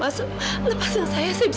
mas apa tidak cukup